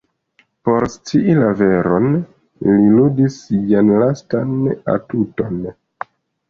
Por scii la veron, ŝi ludis sian lastan atuton.